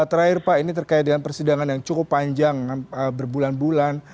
terakhir pak ini terkait dengan persidangan yang cukup panjang berbulan bulan